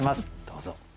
どうぞ。